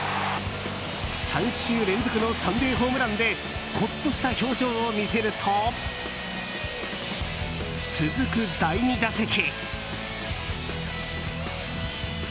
３週連続のサンデーホームランでほっとした表情を見せると続く第２打席。